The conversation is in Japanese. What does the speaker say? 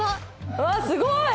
うわっすごい！